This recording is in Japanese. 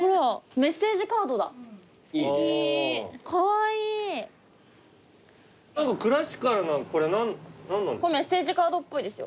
メッセージカードっぽいですよ。